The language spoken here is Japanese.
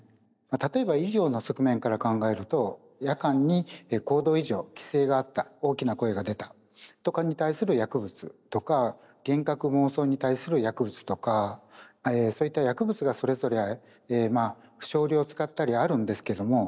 例えば医療の側面から考えると夜間に行動異常奇声があった大きな声が出たとかに対する薬物とか幻覚妄想に対する薬物とかそういった薬物がそれぞれ少量を使ったりあるんですけども。